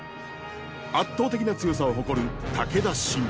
圧倒的な強さを誇る武田信玄。